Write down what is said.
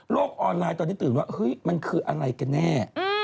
ออนไลน์ตอนนี้ตื่นว่าเฮ้ยมันคืออะไรกันแน่